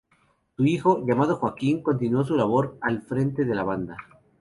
Su hijo, llamado Joaquín, continuó su labor al frente de la banda.